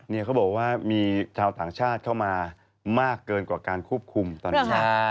เขาบอกว่ามีชาวต่างชาติเข้ามามากเกินกว่าการควบคุมตอนนี้